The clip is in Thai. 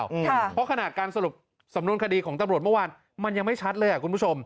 เพราะขณะการสรุปสำนวนคดีของตำรวจเมื่อวานมันยังไม่ชัดเลยอ่ะคุณผู้ชม